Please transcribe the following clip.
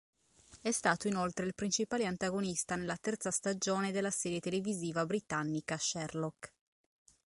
È stato inoltre il principale antagonista nella terza stagione della serie televisiva britannica "Sherlock".